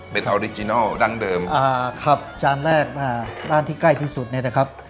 เป็นดั้งเดิมอ่าครับจานแรกอ่าด้านที่ใกล้ที่สุดนี่นะครับ